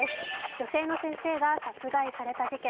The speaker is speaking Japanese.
女性の先生が殺害された事件。